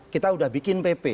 kita udah bikin pp